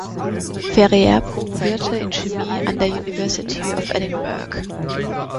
Ferrier promovierte in Chemie an der University of Edinburgh.